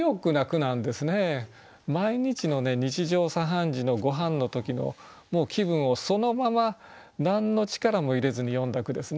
毎日の日常茶飯事のごはんの時の気分をそのまま何の力も入れずに詠んだ句ですね。